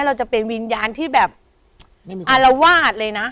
เราจะเป็นวิญญาณที่แบบอารวาสเลยนะ